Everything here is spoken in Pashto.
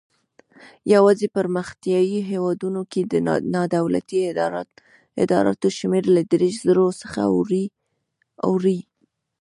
یوازې په پرمختیایي هیوادونو کې د نادولتي ادراراتو شمېر له دېرش زرو څخه اوړي.